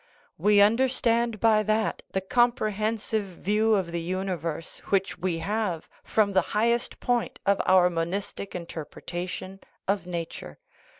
We understand by that the compre hensive view of the universe which we have from the highest point of our monistic interpretation of nature.